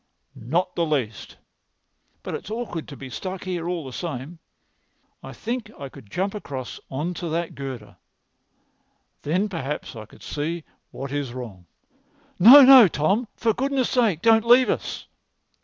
"Not the least. But it's awkward to be stuck here all the same. I think I could jump across on to that girder. Then perhaps I could see what is wrong." "No, no, Tom; for goodness' sake, don't leave us!"